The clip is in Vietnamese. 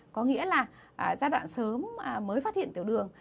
có nghĩa là giai đoạn sớm mới phát hiện tiểu đường